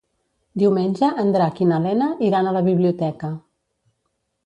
Diumenge en Drac i na Lena iran a la biblioteca.